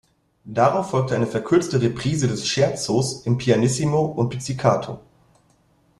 Darauf folgt eine verkürzte Reprise des Scherzos, im "Pianissimo" und "Pizzicato".